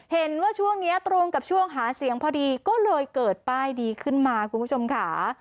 เห็นว่าช่วงนี้ตรงกับช่วงหาเสียงพอดีก็เลยเกิดป้ายดีขึ้นมาคุณผู้ชมค่ะ